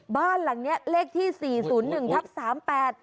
บ้านหลังนี้เลขที่๔๐๑ทัพ๓๘